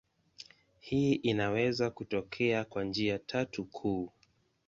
Hii inaweza kutokea kwa njia tatu kuu.